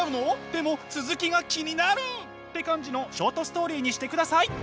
でも続きが気になる」って感じのショートストーリーにしてください！